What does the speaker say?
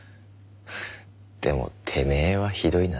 でもてめえはひどいな。